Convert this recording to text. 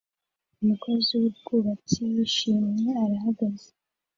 Umukozi wubwubatsi wishimye arahagaze